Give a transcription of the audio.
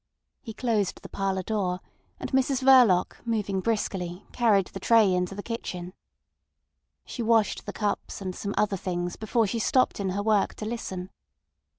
He closed the parlour door, and Mrs Verloc moving briskly, carried the tray into the kitchen. She washed the cups and some other things before she stopped in her work to listen.